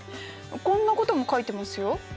こんなことも書いてますよ。